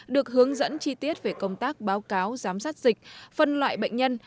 được hướng dẫn chi tiết về công tác báo cáo giám sát dịch phân loại bệnh nhân